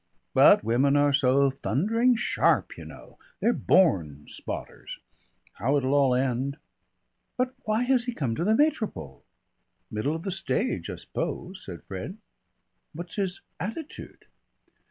But women are so thundering sharp, you know. They're born spotters. How it'll all end " "But why has he come to the Métropole?" "Middle of the stage, I suppose," said Fred. "What's his attitude?"